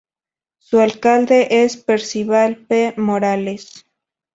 Su alcalde es Percival P. Morales.